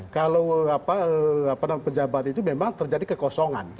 kalau pejabat itu memang terjadi kekosongan